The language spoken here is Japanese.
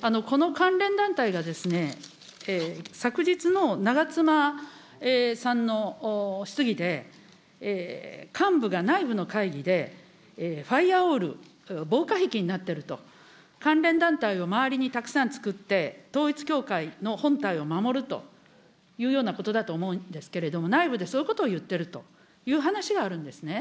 この関連団体が、昨日の長妻さんの質疑で、幹部が内部の会議で、ファイアーウォール・防火壁になってると、関連団体を周りにたくさんつくって、統一教会の本体を守るというようなことだと思うんですけど、内部でそういうことを言ってるという話があるんですね。